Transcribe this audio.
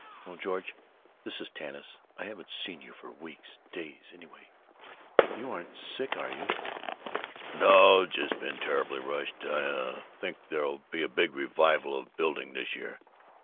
Oh, George, this is Tanis. I haven't seen you for weeks days, anyway. You aren't sick, are you?" "No, just been terribly rushed. I, uh, I think there'll be a big revival of building this year.